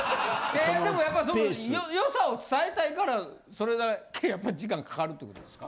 でもやっぱその良さを伝えたいからそれだけやっぱ時間かかるってことですか？